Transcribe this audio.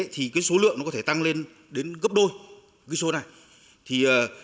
thì số lượng có thể tăng lên đến gấp đôi